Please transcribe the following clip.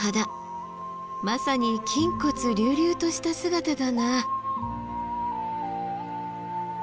まさに筋骨隆々とした姿だな。